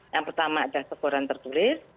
yang pertama adalah seboran tertulis